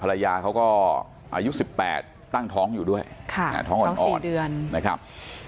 ภรรยาเขาก็อายุสิบแปดตั้งท้องอยู่ด้วยค่ะท้องอ่อนอ่อนนะครับ